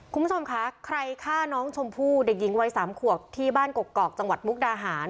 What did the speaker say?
คุณผู้ชมคะใครฆ่าน้องชมพู่เด็กหญิงวัย๓ขวบที่บ้านกกอกจังหวัดมุกดาหาร